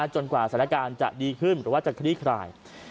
กว่าสถานการณ์จะดีขึ้นหรือว่าจะคลี่คลาย